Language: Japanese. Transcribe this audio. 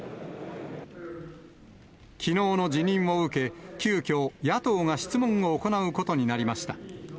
きのうの辞任を受け、急きょ、野党が質問を行うことになりまし